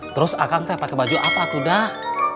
terus akang teh pakai baju apa tuh dah